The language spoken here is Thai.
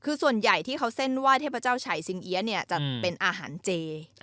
คือส่วนใหญ่ที่เขาเส้นไหว้เทพเจ้าฉ่ายสิงเอี๊ยะเนี่ยจะเป็นอาหารเจ